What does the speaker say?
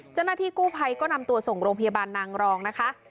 เจ้าหน้าที่กู้ภัยก็นำตัวส่งโรงพยาบาลนางรองนะคะ